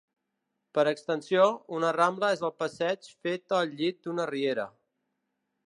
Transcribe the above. Per extensió, una rambla és el passeig fet al llit d’una riera.